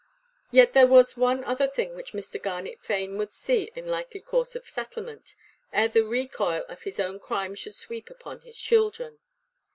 Yet there was one other thing which Mr. Garnet fain would see in likely course of settlement, ere the recoil of his own crime should sweep upon his children.